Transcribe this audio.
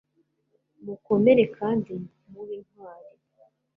mukomere kandi mube intwari